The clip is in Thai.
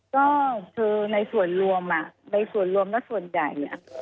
ก็คือในส่วนรวมในส่วนรวมแล้วส่วนใหญ่